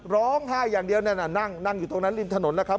ร้องไห้อย่างเดียวนั่นน่ะนั่งอยู่ตรงนั้นริมถนนแล้วครับ